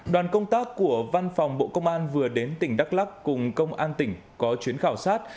đoàn công tác của văn phòng bộ công an vừa đến tỉnh đắk lắc cùng công an tỉnh có chuyến khảo sát